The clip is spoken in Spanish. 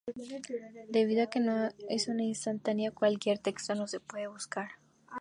Debido a que es una instantánea, cualquier texto no se puede buscar.